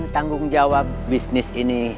tanggung jawab bisnis ini